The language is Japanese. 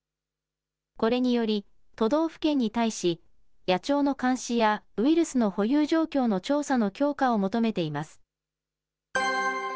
これにより、都道府県に対し、野鳥の監視や、ウイルスの保有状況の調査の強化を求めています。